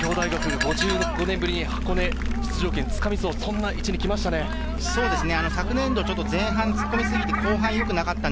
立教大学が５５年ぶりに箱根出場権掴みそう、そんな位置に来ましたね。